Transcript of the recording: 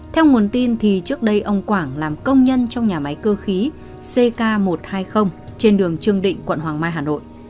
theo nguồn tin thì trước đây ông quảng làm công nhân trong nhà máy cơ khí ck một trăm hai mươi trên đường trương định quận hoàng mai hà nội